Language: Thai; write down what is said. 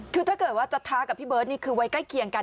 คือถ้าเกิดว่าจะท้ากับพี่เบิร์ตนี่คือไว้ใกล้เคียงกัน